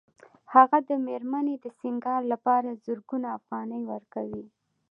هغه د مېرمنې د سینګار لپاره زرګونه افغانۍ ورکوي